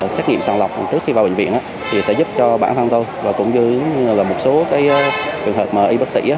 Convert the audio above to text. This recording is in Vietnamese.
xét nghiệm sàng lọc trước khi vào bệnh viện sẽ giúp cho bản thân tôi và cũng như một số trường hợp y bác sĩ